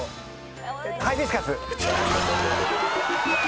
ハイビスカス。